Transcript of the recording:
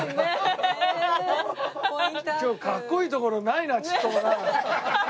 今日格好いいところないなちっともな。